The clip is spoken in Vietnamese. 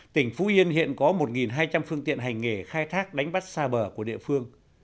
hiện hiện có một hai trăm linh phương tiện hành nghề khai thác đánh bắt xa bờ của địa phương